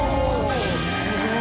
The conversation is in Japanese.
すごい。